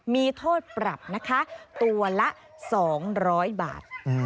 มีโทษปรับนะคะตัวละ๒๐๐บาท